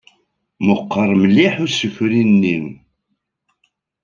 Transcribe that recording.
Nella nettemɣanzu.